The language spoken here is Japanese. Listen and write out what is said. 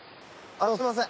あのすみません。